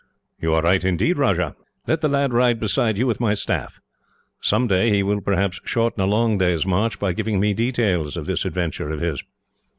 "You are right, indeed, Rajah. Let the lad ride beside you, with my staff. Some day he will, perhaps, shorten a long day's march by giving me details of this adventure of his."